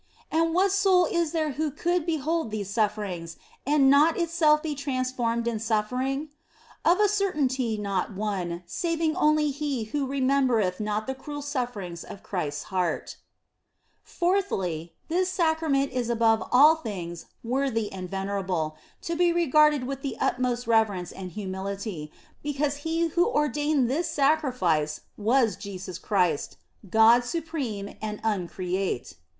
And what soul is there who could behold these sufferings and not itself be trans formed in suffering ? Of a certainty not one, saving only he who remembereth not the cruel sufferings of Christ s heart. Fourthly, this Sacrament is above all things worthy and venerable, to be regarded with the utmost reverence and humility, because He who ordained this sacrifice was Jesus Christ, God supreme and uncreate.